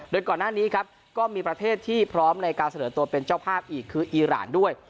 โดยก่อนหน้านี้ครับก็มีประเทศที่พร้อมในการเสนอตัวเป็นเจ้าภาพอีกคืออีรานด้วย